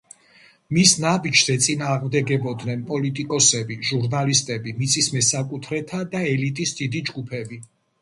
მის ნაბიჯს ეწინააღმდეგებოდნენ პოლიტიკოსები, ჟურნალისტები, მიწის მესაკუთრეთა და ელიტის დიდი ჯგუფი.